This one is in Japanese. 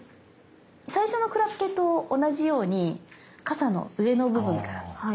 最初のクラゲと同じように傘の上の部分から。